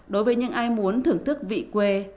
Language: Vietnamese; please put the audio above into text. đối với những ai muốn thưởng thức vị quê